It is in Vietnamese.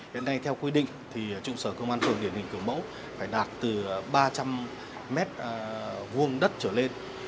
đến nay theo quy định thì trụ sở công an phường điển hình kiểu mẫu phải đạt từ ba trăm linh m hai đất trở lên